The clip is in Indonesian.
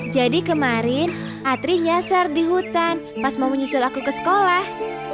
jadi kemarin atri nyasar di hutan pas mau menyusul aku ke sekolah